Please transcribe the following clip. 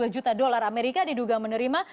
satu dua juta dolar amerika diduga menerima